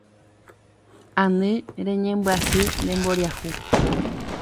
Ani reñembyasy ne mboriahu